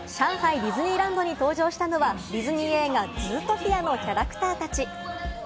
ディズニーランドに登場したのはディズニー映画『ズートピア』のキャラクターたち。